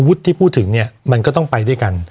วันนี้แม่ช่วยเงินมากกว่า